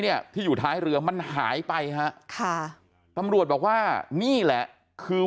เนี่ยที่อยู่ท้ายเรือมันหายไปฮะค่ะตำรวจบอกว่านี่แหละคือ